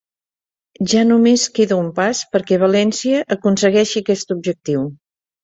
Ja només queda un pas perquè València aconsegueixi aquest objectiu